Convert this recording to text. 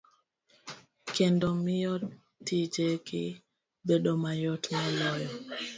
kendo miyo tijegi bedo mayot moloyo.